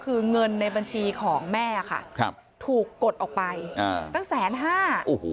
คือเงินในบัญชีของแม่ค่ะถูกกดออกไปตั้งแสนห้า